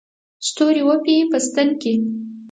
ستوري وپېي په ستن کې